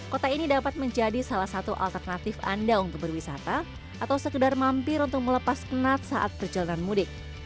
kota ini dapat menjadi salah satu alternatif anda untuk berwisata atau sekedar mampir untuk melepas penat saat perjalanan mudik